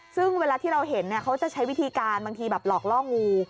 ซึ่งเวลาที่เราเห็นเขาจะใช้วิธีการบางทีแบบหลอกล่องู